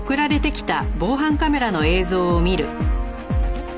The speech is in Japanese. えっ？